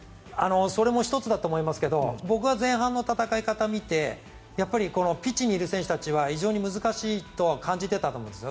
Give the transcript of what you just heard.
それも１つだと思いますけど僕は前半の戦い方を見てピッチいる選手たちは難しいと感じていたと思うんです。